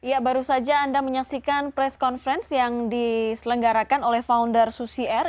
ya baru saja anda menyaksikan press conference yang diselenggarakan oleh founder susi air